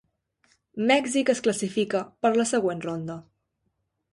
Mèxic es classifica per la següent ronda.